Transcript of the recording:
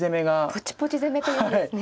ポチポチ攻めというんですね。